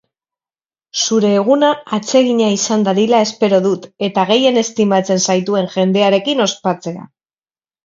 Zure eguna atsegina izan dadila espero dut eta gehien estimatzen zaituen jendearekin ospatzea.